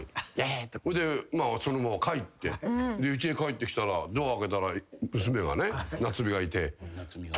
ほいでそのまま帰ってうちに帰ってきたらドア開けたら娘がね名津美がいて。